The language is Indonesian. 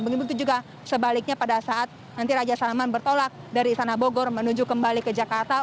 begitu juga sebaliknya pada saat nanti raja salman bertolak dari sana bogor menuju kembali ke jakarta